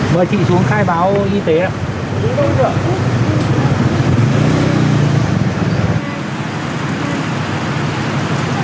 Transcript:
mời chị xuống khai báo y tế ạ